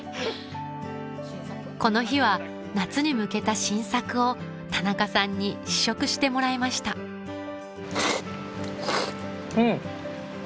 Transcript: この日は夏に向けた新作を田中さんに試食してもらいましたうん！